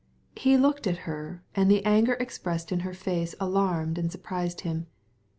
He looked at her, and the fury expressed in her face alarmed and amazed him.